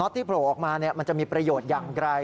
ที่โผล่ออกมามันจะมีประโยชน์อย่างไกล